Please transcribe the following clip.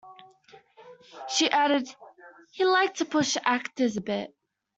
She added: "He liked to push actors a bit".